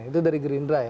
itu dari gerindra ya